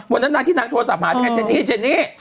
วันนั้นนางที่นางโทรศัพท์หายังไงเจนี่เจนี่